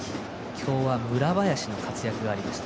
今日は村林の活躍がありました。